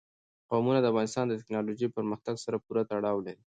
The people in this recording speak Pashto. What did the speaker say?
قومونه د افغانستان د تکنالوژۍ پرمختګ سره پوره تړاو لري.